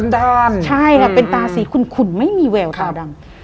ด้านใช่ค่ะเป็นตาสีขุนไม่มีแววตาดำ